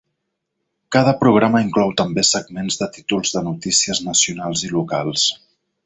Cada programa inclou també segments de títols de notícies nacionals i locals.